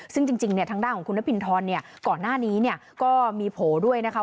ซึ่งจริงทางด้านของคุณนพินทรก่อนหน้านี้ก็มีโผล่ด้วยนะคะ